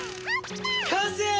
完成！